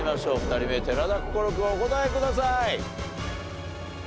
２人目寺田心君お答えください。